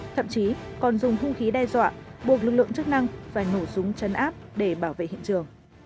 thậm chí còn dùng hung khí đe dọa buộc lực lượng chức năng phải nổ súng chấn áp để bảo vệ hiện trường